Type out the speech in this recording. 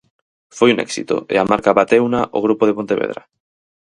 Foi un éxito, e a marca bateuna o grupo de Pontevedra.